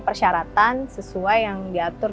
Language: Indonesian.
persyaratan sesuai yang diatur